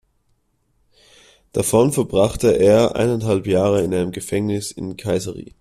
Davon verbrachte er eineinhalb Jahre in einem Gefängnis in Kayseri.